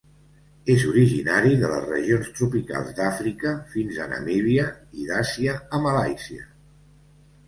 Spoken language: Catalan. És originari de les regions tropicals d'Àfrica fins a Namíbia i d'Àsia a Malàisia.